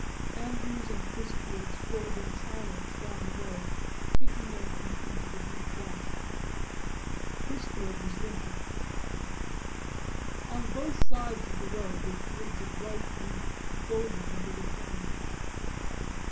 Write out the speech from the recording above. Andrews and Chrisfield strolled in silence down the road, kicking their feet into the deep dust. Chrisfield was limping. On both sides of the road were fields of ripe wheat, golden under the sun.